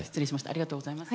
ありがとうございます。